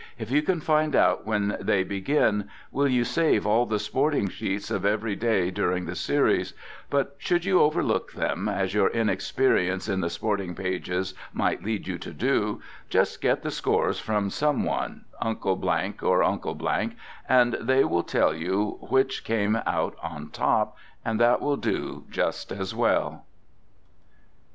If you can find out when they begin will you save all the sporting sheets of every day during the series, but should you overlook them, as your inexperience in the sporting pages might lead you to do, just get the scores from some one, Uncle or Uncle , and they will tell you which came out on top and that will do just as well.